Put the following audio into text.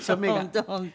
本当本当。